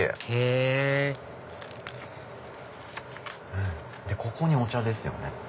へぇでここにお茶ですよね。